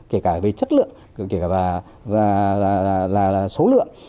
kể cả về chất lượng kể cả và là số lượng